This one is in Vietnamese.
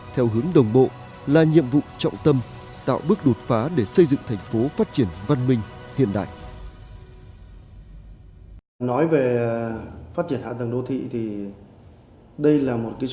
theo hướng đồng bộ là nhiệm vụ trọng tâm tạo bước đột phá để xây dựng thành phố phát triển văn minh hiện đại